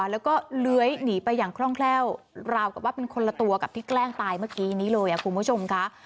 แล้วก็เลื้อยหนีไปอย่างคล่องแคล่วราวกับว่าเป็นคนละตัวกับที่แกล้งตายเมื่อกี้นี้เลยคุณผู้ชมค่ะ